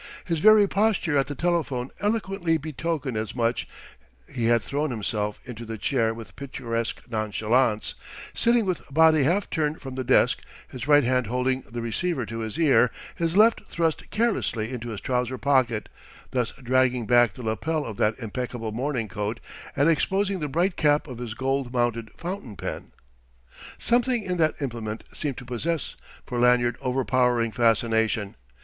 His very posture at the telephone eloquently betokened as much: he had thrown himself into the chair with picturesque nonchalance, sitting with body half turned from the desk, his right hand holding the receiver to his ear, his left thrust carelessly into his trouser pocket, thus dragging back the lapel of that impeccable morning coat and exposing the bright cap of his gold mounted fountain pen. Something in that implement seemed to possess for Lanyard overpowering fascination.